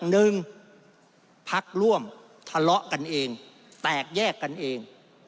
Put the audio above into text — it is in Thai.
หนึ่งพักร่วมทะเลาะกันเองแตกแยกกันเอง